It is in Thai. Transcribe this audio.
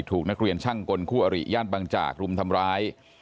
ถูกนักเรียนช่างกลคู่อริย่านบางจากรุมทำร้าย